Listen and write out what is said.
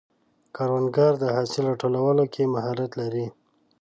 کروندګر د حاصل راټولولو کې مهارت لري